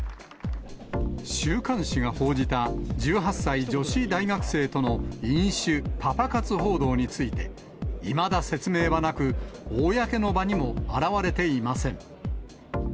週刊誌が報じた１８歳女子大学生との飲酒、パパ活報道について、いまだ説明はなく、公の場にも現れていません。